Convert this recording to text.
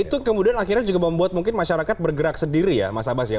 itu kemudian akhirnya juga membuat mungkin masyarakat bergerak sendiri ya mas abbas ya